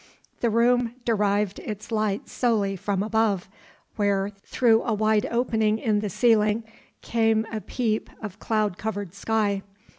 The room derived its light solely from above, where, through a wide opening in the ceiling, came a peep of cloud covered sky.